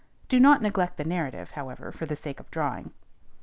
Do not neglect the narrative, however, for sake of drawing.